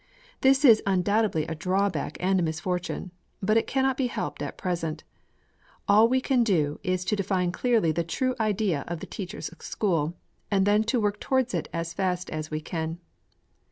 This is undoubtedly a drawback and a misfortune. But it cannot be helped at present. All we can do is to define clearly the true idea of the Teachers' School, and then to work towards it as fast and as far as we can.